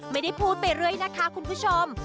ไม่ได้พูดไปเรื่อยนะคะคุณผู้ชม